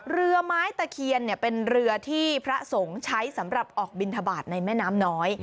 เรือไม้ตะเคียนเป็นเรือที่พระสงฆ์ใช้สำหรับออกบินทบาทในแม่น้ำน้อย